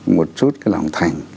một chút cái lòng thành